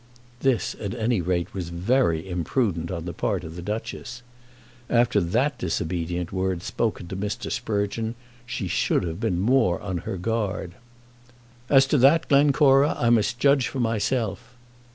This at any rate was very imprudent on the part of the Duchess. After that disobedient word spoken to Mr. Sprugeon, she should have been more on her guard. "As to that, Glencora, I must judge for myself."